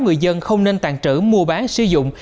người dân không nên tàn trữ mua bán sử dụng